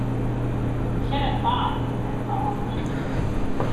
"I should have thought," he said solemnly.